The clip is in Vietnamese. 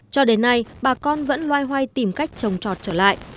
cho đến nay bà con vẫn loay hoay tìm cách trồng trọt trở lại